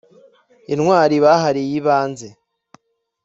intwari bahariye ibanze